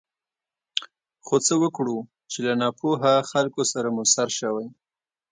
خو څه وکړو چې له ناپوهه خلکو سره مو سر شوی.